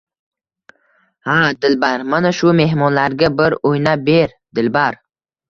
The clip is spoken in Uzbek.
Ha-a, Dilbar. Mana shu mehmonlarga bir o‘ynab ber, Dilbar.